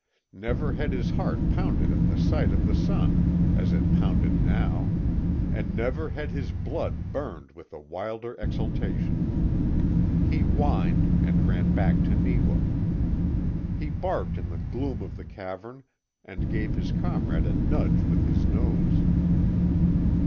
Never had his heart pounded at the sight of the sun as it pounded now, and never had his blood burned with a wilder exultation. He whined, and ran back to Neewa. He barked in the gloom of the cavern and gave his comrade a nudge with his nose.